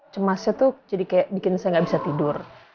cemasnya tuh jadi kayak bikin saya nggak bisa tidur